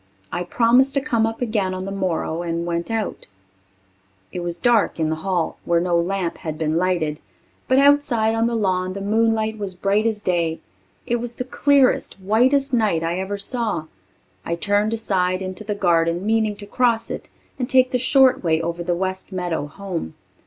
I promised to come up again on the morrow and went out. It was dark in the hall, where no lamp had been lighted, but outside on the lawn the moonlight was bright as day. It was the clearest, whitest night I ever saw. I turned aside into the garden, meaning to cross it, and take the short way over the west meadow home.